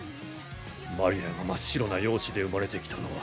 マリアが真っ白な容姿で生まれてきたのは